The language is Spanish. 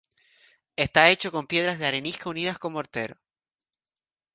Está hecho con piedras de arenisca unidas con mortero.